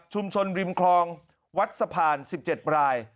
ริมคลองวัดสะพาน๑๗ราย